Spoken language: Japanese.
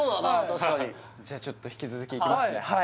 確かにじゃあちょっと引き続きいきますね